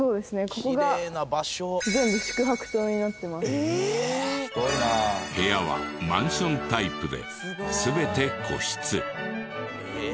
ここが部屋はマンションタイプで全て個室。